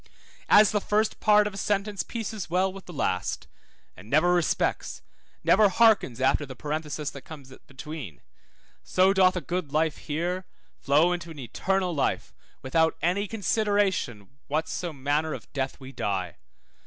As the first part of a sentence pieces well with the last, and never respects, never hearkens after the parenthesis that comes between, so doth a good life here flow into an eternal life, without any consideration what so manner of death we die.